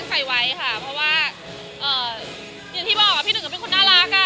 เพราะว่าอย่างที่บอกว่าพี่หนึ่งเป็นคนน่ารัก